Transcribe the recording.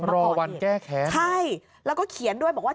รอวันแก้แค้นใช่แล้วก็เขียนด้วยบอกว่า